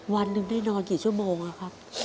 วันหนึ่งได้นอนกี่ชั่วโมงอะครับ